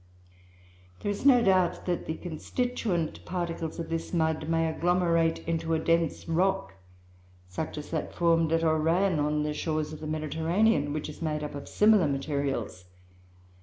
There is no doubt that the constituent particles of this mud may agglomerate into a dense rock, such as that formed at Oran on the shores of the Mediterranean, which is made up of similar materials.